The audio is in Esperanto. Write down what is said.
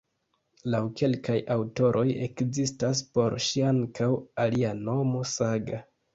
Laŭ kelkaj aŭtoroj ekzistas por ŝi ankaŭ alia nomo "Saga".